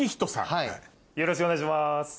よろしくお願いします。